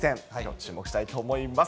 注目したいと思います。